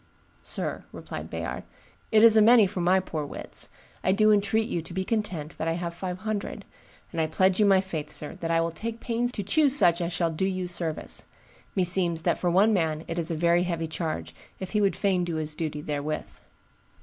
"Sir," replied Bayard, "it is a many for my poor wits; I do entreat you to be content that I have five hundred; and I pledge you my faith, sir, that I will take pains to choose such as shall do you service; meseems that for one man it is a very heavy charge, if he would fain do his duty therewith."